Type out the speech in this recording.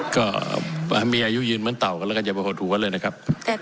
ก็อ่ามีอายุยืนเหมือนเตาก็แล้วกันอย่าโผล่ถูกกันเลยนะครับ